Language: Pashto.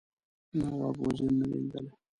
نواب وزیر نه دی لیدلی.